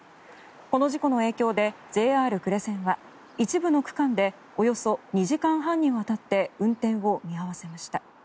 この事故の影響で、ＪＲ呉線は一部の区間でおよそ２時間半にわたって運転を見合わせました。